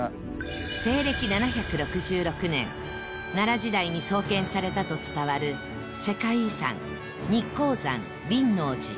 西暦７６６年奈良時代に創建されたと伝わる世界遺産日光山輪王寺